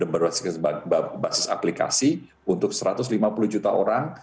berbasis aplikasi untuk satu ratus lima puluh juta orang